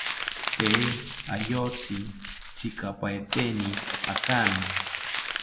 Tee ayotzi tzikapaeteni akami